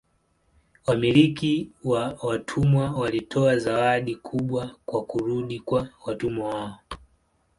Wamiliki wa watumwa walitoa zawadi kubwa kwa kurudi kwa watumwa wao.